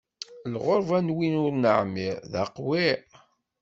Lɣeṛba n win ur neɛmiṛ, d aqwiṛ.